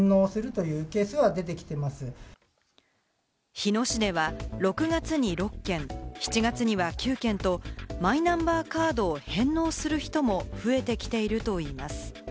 日野市では６月に６件、７月には９件とマイナンバーカードを返納する人も増えてきているといいます。